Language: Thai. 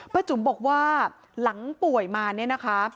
จุ๋มบอกว่าหลังป่วยมาเนี่ยนะคะ